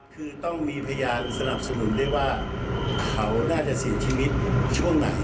คือต้องมีพยานสนับสนุนด้วยว่าเขาน่าจะเสียชีวิตช่วงไหน